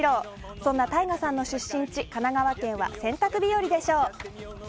そんなＴＡＩＧＡさんの出身地神奈川県は洗濯日和でしょう。